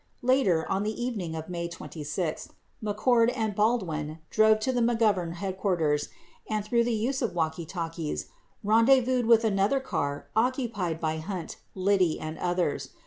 21 Later, on the evening of May 26, McCord and Baldwin drove to the McGovern headquarters and, through the use of walkie talkies, ren dezvoused with another car occupied by Hunt, Liddy and others.